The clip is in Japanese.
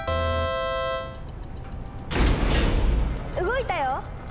動いたよ！